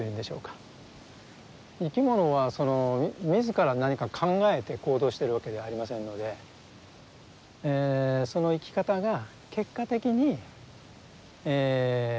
生き物は自ら何か考えて行動してるわけではありませんのでその生き方が結果的に他の生き物に作用している。